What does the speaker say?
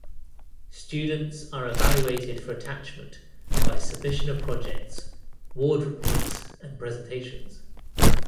Students are evaluated for attachment by submission of projects, ward reports and presentations.